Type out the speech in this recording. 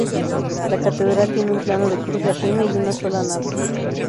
La catedral tiene un plano de cruz latina y una sola nave.